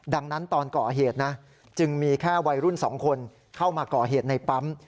ดังนั้นตอนก่อเหตุนะจึงมีแค่วัยรุ่น๒คนเข้ามาก่อเหตุในปั๊ม